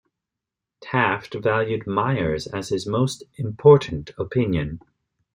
Taft valued "Myers" as his most important opinion.